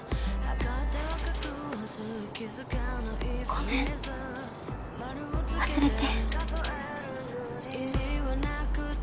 ごめん忘れて。